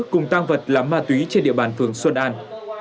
cùng tăng vật là ma túy trên địa bàn phường xuân an